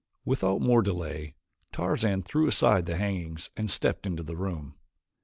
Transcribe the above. Without more delay Tarzan threw aside the hangings and stepped into the room.